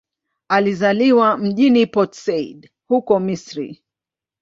Alizaliwa mjini Port Said, huko Misri.